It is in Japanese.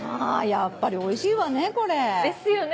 やっぱりおいしいわねこれ。ですよね。